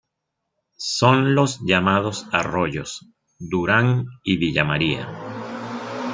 Son los llamados arroyos Durán y Villa María.